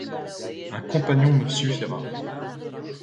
Un compagnon me suffira